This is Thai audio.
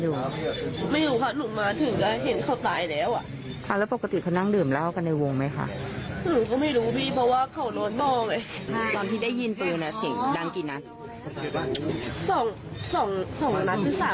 คืบหน้าเรามีให้นะครับถุดสืบสวนเนี่ยกระจายกำลังออกติดตามตัวนะครับ